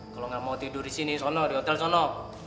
kalau gak mau tidur di sini di hotel sana